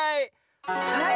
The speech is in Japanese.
はい！